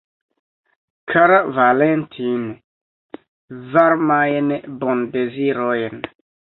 Kara Valentin, varmajn bondezirojn.